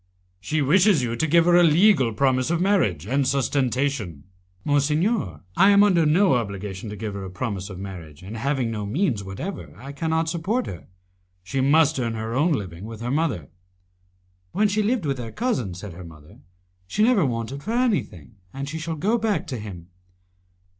"She wishes you to give her a legal promise of marriage, and sustentation." "Monsignor, I am under no obligation to give her a promise of marriage, and having no means whatever I cannot support her. She must earn her own living with her mother" "When she lived with her cousin," said her mother, "she never wanted anything, and she shall go back to him."